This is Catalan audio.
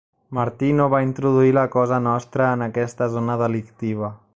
Martino va introduir la Cosa Nostra en aquesta zona delictiva.